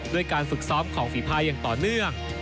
ด้วยการฝึกซ้อมของฝีภายอย่างต่อเนื่อง